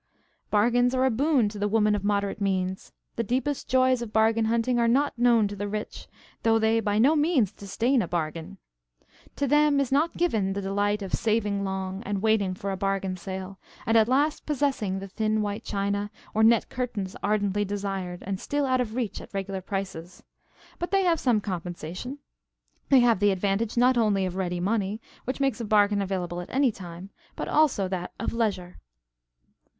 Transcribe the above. Bargains are a boon to the woman of moderate means. The deepest joys of bargain hunting are not known to the rich, though they by no means disdain a bargain. To them is not given the delight of saving long, and waiting for a bargain sale, and at last possessing the thin white china or net curtains ardently desired and still out of reach at regular prices. But they have some compensation. They have the advantage not only of ready money, which makes a bargain available at any time, but also that of leisure.